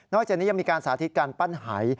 จากนี้ยังมีการสาธิตการปั้นหาย